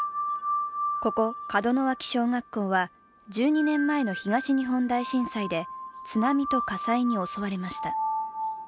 ここ門脇小学校は１２年前の東日本大震災で津波と火災に襲われました。